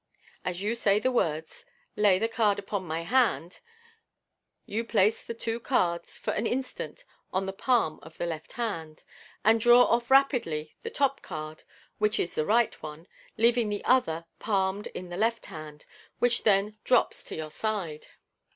" As you say the words, " lay the card upon my hand," you place the two cards for an instant on the palm of the left hand (see Fig. 20), and draw off rapidly the top card, which is the right one, leaving the other palmed in the left hand, which then drops to your side.